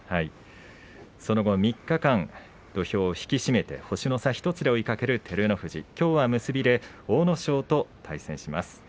その後、３日間土俵を引き締めて星の差１つで追いかける照ノ富士結びで阿武咲と対戦します。